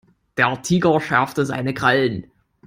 Der Tiger schärfte seine Krallen.